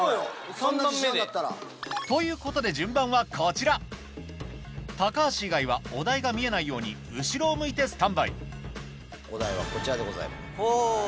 そんな自信あるんだったら。ということで順番はこちら橋以外はお題が見えないように後ろを向いてスタンバイお題はこちらでございます。